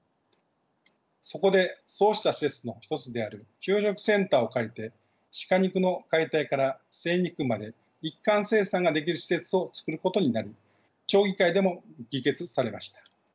そこでそうした施設の一つである給食センターを借りて鹿肉の解体から精肉まで一貫生産ができる施設をつくることになり町議会でも議決されました。